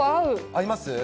合います？